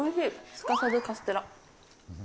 すかさずカステラ。